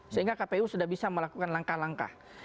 sehingga kpu sudah bisa melakukan langkah langkah